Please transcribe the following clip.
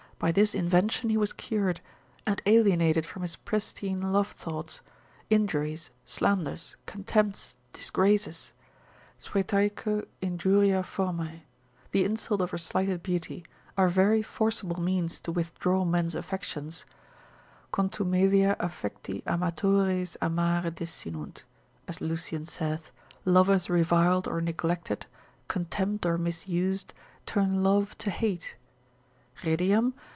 by this invention he was cured, and alienated from his pristine love thoughts—Injuries, slanders, contempts, disgraces—spretaeque injuria formae, the insult of her slighted beauty, are very forcible means to withdraw men's affections, contumelia affecti amatores amare desinunt, as Lucian saith, lovers reviled or neglected, contemned or misused, turn love to hate; redeam?